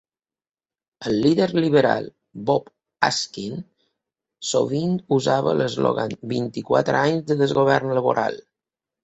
El líder liberal, Bob Askin, sovint usava l'eslògan vint-i-quatre anys de desgovern laboral.